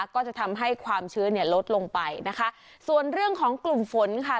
ก็จะทำให้ความชื้นเนี่ยลดลงไปนะคะส่วนเรื่องของกลุ่มฝนค่ะ